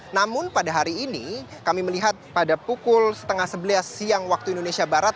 namun pada hari ini kami melihat pada pukul setengah sebelas siang waktu indonesia barat